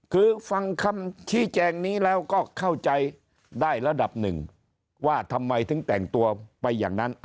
คือฟังคำชี้แจงนี้แล้วก็เข้าใจได้ระดับหนึ่งว่าทำไมถึงแต่งตัวไปอย่างนั้น